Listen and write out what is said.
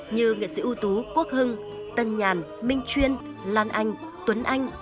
như nghệ sĩ ưu tú quốc hưng tân nhàn minh chuyên lan anh tuấn anh